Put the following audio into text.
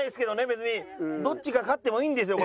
別にどっちが勝ってもいいんですよ